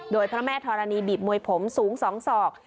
โดยพระแม่ธรณีบีบมวยผมสูง๒ศอก